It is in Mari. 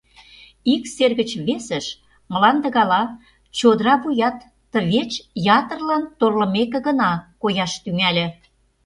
Ик сер гыч весыш мланде гала, чодыра вуят тывеч ятырлан торлымеке гына кояш тӱҥале.